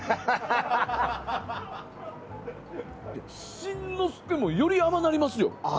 新之助も、より甘なりますよ！